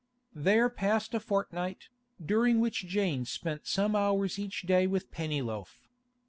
There passed a fortnight, during which Jane spent some hours each day with Pennyloaf.